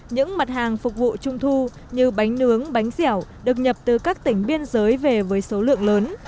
những mặt hàng phục vụ trung thu như bánh nướng bánh dẻo được nhập từ các tỉnh biên giới về với số lượng lớn